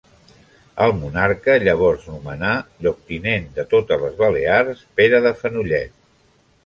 El monarca llavors nomenà lloctinent de totes les Balears Pere de Fenollet.